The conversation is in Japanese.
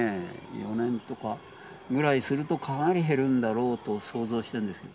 ４年とかぐらいすると、かなり減るんだろうと想像してるんです。